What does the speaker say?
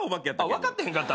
分かってへんかった？